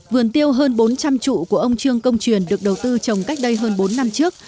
vườn tiêu hơn bốn trăm linh trụ của ông trương công truyền được đầu tư trồng cách đây hơn bốn năm trước